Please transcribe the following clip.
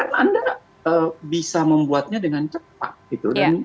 karena anda bisa membuatnya dengan cepat